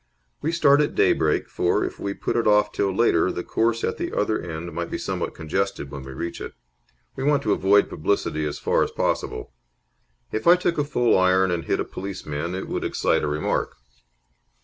We start at daybreak, for, if we put it off till later, the course at the other end might be somewhat congested when we reached it. We want to avoid publicity as far as possible. If I took a full iron and hit a policeman, it would excite a remark."